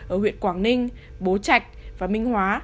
ở huyện quảng ninh bố trạch và minh hóa